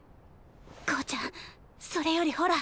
向ちゃんそれよりほら。